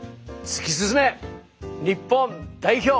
突き進め日本代表！